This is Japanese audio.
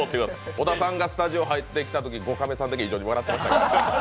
小田さんがスタジオ入ってきたとき５カメさんだけ異常に笑っていましたから。